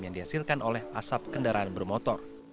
yang dihasilkan oleh asap kendaraan bermotor